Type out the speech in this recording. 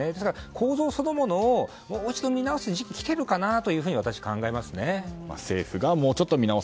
構造そのものを、もう一度見直す時期に来ていると考えますね。